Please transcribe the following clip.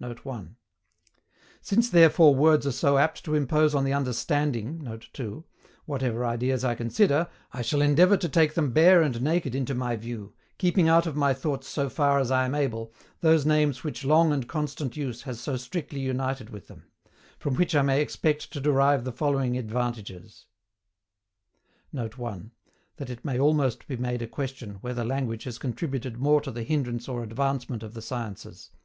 [Note 1.] Since therefore words are so apt to impose on the understanding[Note 2.], whatever ideas I consider, I shall endeavour to take them bare and naked into my view, keeping out of my thoughts so far as I am able, those names which long and constant use has so strictly united with them; from which I may expect to derive the following advantages: [Note 1: "That it may almost be made a question, whether language has contributed more to the hindrance or advancement of the sciences."